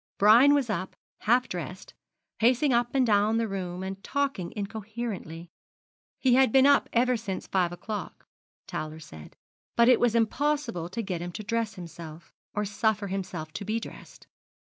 Brian was up, half dressed, pacing up and down the room, and talking incoherently. He had been up ever since five o'clock, Towler said; but it was impossible to get him to dress himself, or suffer himself to be dressed.